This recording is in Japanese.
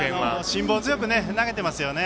辛抱強く投げてますよね。